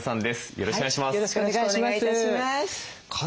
よろしくお願いします。